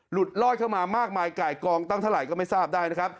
ลอดเข้ามามากมายไก่กองตั้งเท่าไหร่ก็ไม่ทราบได้นะครับ